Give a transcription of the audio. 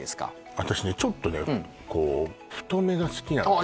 私ねちょっとねこう太めが好きなのよああ